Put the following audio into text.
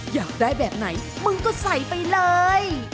อยากได้แบบไหนมึงก็ใส่ไปเลย